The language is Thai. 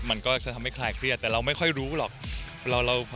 มันก็จะทำให้คลายเครียดแต่เราไม่ค่อยรู้หรอก